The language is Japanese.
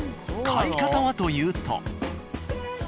買い方はというと。